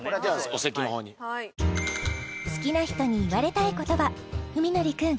お席の方にはい好きな人に言われたい言葉史記くん